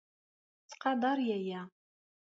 Ttqadar yaya.